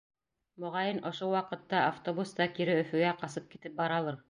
Моғайын, ошо ваҡытта автобуста кире Өфөгә ҡасып китеп баралыр!